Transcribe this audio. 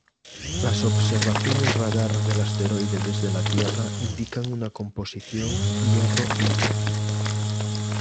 Las observaciones radar del asteroide desde la Tierra indican una composición hierro-níquel.